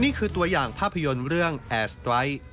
นี่คือตัวอย่างภาพยนตร์เรื่องแอร์สไตร